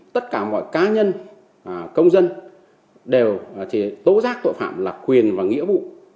tất cả mọi cá nhân công dân đều tố giác tội phạm là quyền và nghĩa vụ